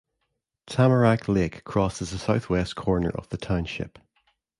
Tamarack Lake crosses the southwest corner of the township.